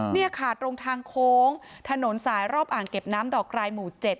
นี่ค่ะตรงทางโค้งถนนสายรอบอ่างเก็บน้ำดอกรายหมู่๗